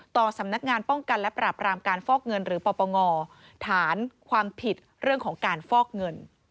สำนักงานป้องกันและปราบรามการฟอกเงินหรือปปงฐานความผิดเรื่องของการฟอกเงิน